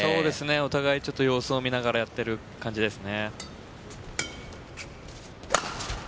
お互い様子を見ながらやっている感じですね。